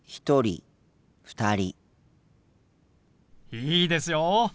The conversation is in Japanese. いいですよ。